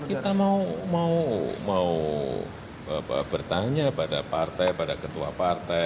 ya kita mau kita mau bertanya pada partai pada ketua partai